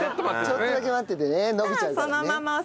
ちょっとだけ待っててね伸びちゃうからね。